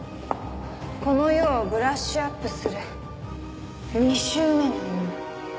この世をブラッシュアップする２周目の女。